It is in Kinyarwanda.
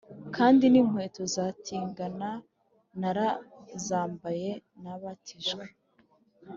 kandi n’inkweto za tigana narazambaye nabatijwe